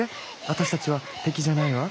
アタシたちは敵じゃないわ。